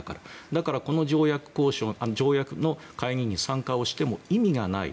だからこの条約の会議に参加をしても意味がない。